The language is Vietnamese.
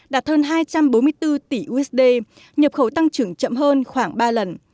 đạt hơn hai trăm bốn mươi bốn tỷ usd nhập khẩu tăng trưởng chậm hơn khoảng ba lần